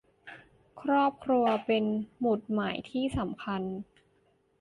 ครอบครัวเป็นหมุดหมายที่สำคัญ